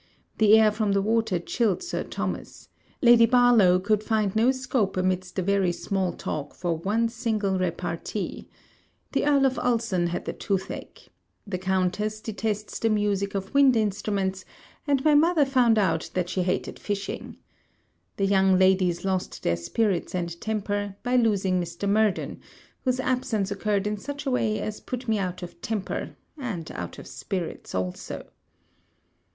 The air from the water chilled Sir Thomas. Lady Barlowe could find no scope amidst the very small talk for one single repartee. The Earl of Ulson had the tooth ache. The Countess detests the music of wind instruments; and my mother found out that she hated fishing. The young ladies lost their spirits and temper, by losing Mr. Murden, whose absence occurred in such a way as put me out of temper, and out of spirits also.